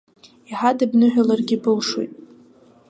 Иҳадбныҳәаларгьы былшоит!